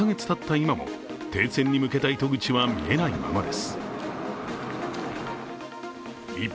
今も停戦に向けた糸口は見えないままです。